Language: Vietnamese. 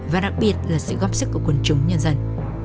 và đặc biệt là sự góp sức của quần chúng nhân dân